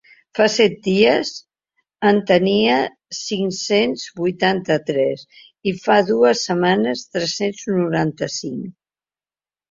Fa set dies, en tenia cinc-cents vuitanta-tres i fa dues setmanes, tres-cents noranta-cinc.